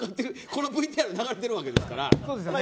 このＶＴＲ流れてるわけですから。